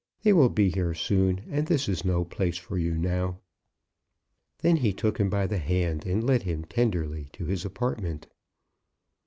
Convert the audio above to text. They will be here soon, and this is no place now for you." Then he took him by the hand and led him tenderly to his apartment.